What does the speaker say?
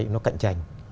nó cận tranh